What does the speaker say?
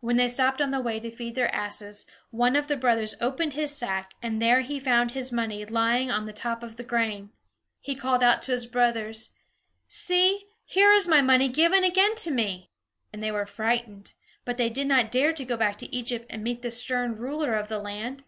When they stopped on the way to feed their asses, one of the brothers opened his sack, and there he found his money lying on the top of the grain. He called out to his brothers: "See, here is my money given again to me!" And they were frightened, but they did not dare to go back to Egypt and meet the stern ruler of the land.